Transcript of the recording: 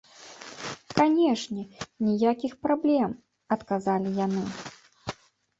Канечне, ніякіх праблем, адказалі яны.